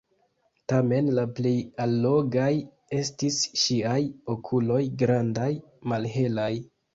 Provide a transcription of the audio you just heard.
Tamen la plej allogaj estis ŝiaj okuloj, grandaj, malhelaj.